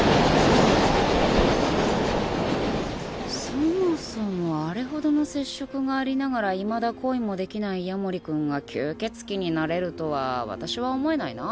そもそもあれほどの接触がありながらいまだ恋もできない夜守君が吸血鬼になれるとは私は思えないな。